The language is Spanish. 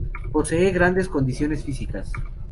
Posee grandes condiciones físicas.